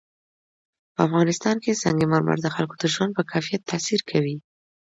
په افغانستان کې سنگ مرمر د خلکو د ژوند په کیفیت تاثیر کوي.